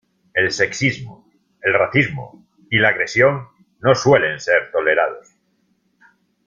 El sexismo, el racismo y la agresión no suelen ser tolerados.